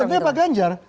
ya tentunya pak ganjar